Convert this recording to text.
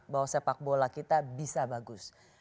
bahwa sepak bola kita bisa bagus